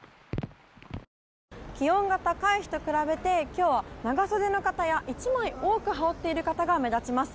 気温が高い日と比べて今日は長袖の方や、１枚多く羽織っている方が目立ちます。